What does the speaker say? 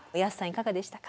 いかがでしたか？